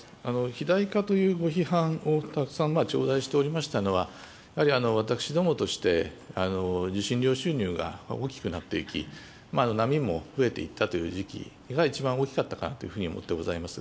肥大化というご批判をたくさん頂戴しておりましたのは、やはり私どもとして、受信料収入が大きくなっていき、波も増えていったという時期が一番大きかったかなというふうに思ってございます。